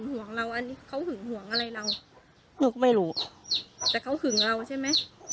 แต่เขาหึงเราใช่มั้ย